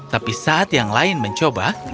tapi saat yang lain mencoba